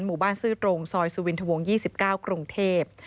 หมู่บ้านซื้อตรงซอยสุวินทวงศ์ยี่สิบเก้ากรุงเทพฯ